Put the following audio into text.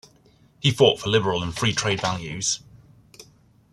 He fought for liberal and free-trade values.